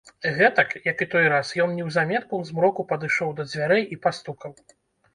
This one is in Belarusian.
Гэтак, як і той раз, ён неўзаметку ў змроку падышоў да дзвярэй і пастукаў.